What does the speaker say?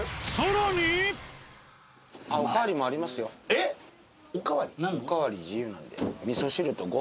えっ？おかわり自由なんで。